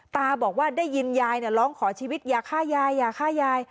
ตาบอกว่าได้ยินยายร้องขอชีวิตอย่าฆ่ายายอย่าฆ่ายาย